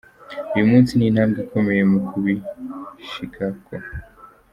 Uyu musi ni intambwe ikomeye mu kubishikako.